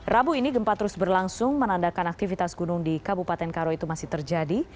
rabu ini gempa terus berlangsung menandakan aktivitas gunung di kabupaten karo itu masih terjadi